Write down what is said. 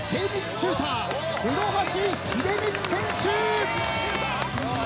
シューター室橋秀光選手。